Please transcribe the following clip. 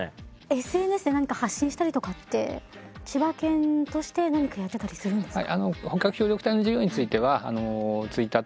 ＳＮＳで何か発信したりとかって千葉県として何かやってたりするんですか？